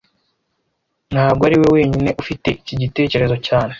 Ntago ariwe wenyine ufite iki gitekerezo cyane